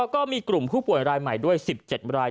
ก็มีกลุ่มผู้ป่วยรายใหม่ด้วย๑๗ราย